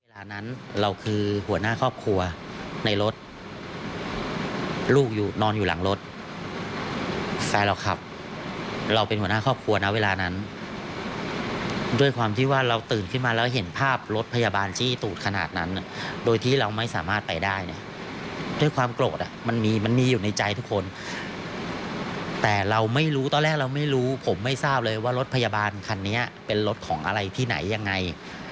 แต่เราไม่รู้ตอนแรกเราไม่รู้ผมไม่ทราบเลยว่ารถพยาบาลคันนี้เป็นรถของอะไรที่ไหนยังไง